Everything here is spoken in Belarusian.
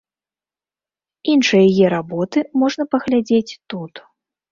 Іншыя яе работы можна паглядзець тут.